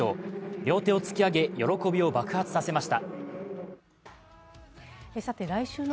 両手を突き上げ、喜びを爆発させました。